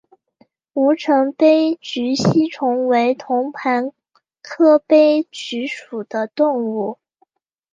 吴城杯殖吸虫为同盘科杯殖属的动物。